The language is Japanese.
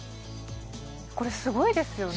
これすごいですよね？